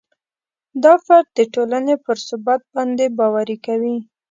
دا فرد د ټولنې پر ثبات باندې باوري کوي.